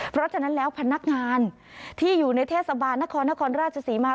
เพราะฉะนั้นแล้วพนักงานที่อยู่ในเทศบาลนครนครราชศรีมา